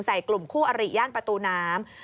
ใส่กลุ่มคู่อริย่านประตูน้ำ